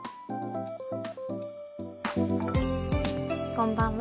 こんばんは。